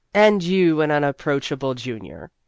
" And you an unapproachable junior